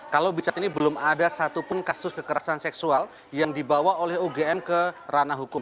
kalau richard ini belum ada satupun kasus kekerasan seksual yang dibawa oleh ugm ke ranah hukum